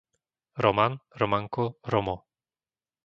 Roman, Romanko, Romo